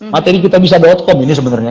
materi kitabisa com ini sebenarnya